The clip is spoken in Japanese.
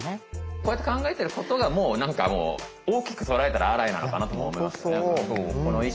こうやって考えてることがもう何かもう大きく捉えたらアライなのかなとも思いますね。